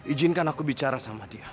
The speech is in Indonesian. ijinkan aku bicara sama dia